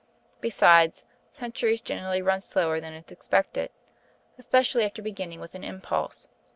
Besides, centuries generally run slower than is expected, especially after beginning with an impulse.